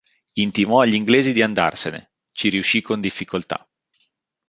Intimò agli inglesi di andarsene; ci riuscì con difficoltà.